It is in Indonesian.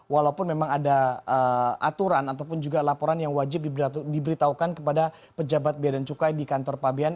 walaupun memang ada aturan ataupun juga laporan yang wajib diberitahukan kepada pejabat biaya dan cukai di kantor pabean